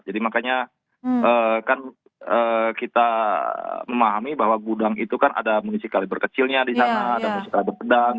jadi makanya kan kita memahami bahwa gudang itu kan ada munisi kaliber kecilnya di sana ada munisi kaliber pedang